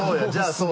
そう。